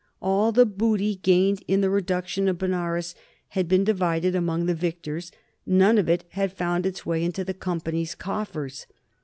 All the booty gained in the reduction of Benares had been divided among the victors; none of it had found its way into the Company's coffers.